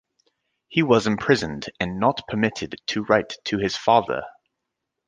He was imprisoned and not permitted to write to his father.